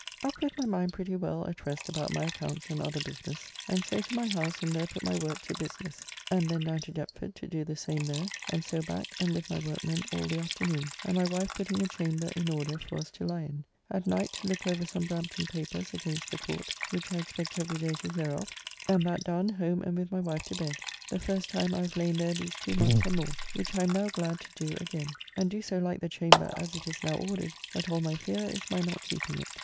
Up with my mind pretty well at rest about my accounts and other business, and so to my house and there put my work to business, and then down to Deptford to do the same there, and so back and with my workmen all the afternoon, and my wife putting a chamber in order for us to lie in. At night to look over some Brampton papers against the Court which I expect every day to hear of, and that done home and with my wife to bed, the first time I have lain there these two months and more, which I am now glad to do again, and do so like the chamber as it is now ordered that all my fear is my not keeping it.